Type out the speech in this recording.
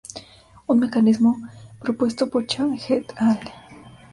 Un mecanismo propuesto por Chan et al.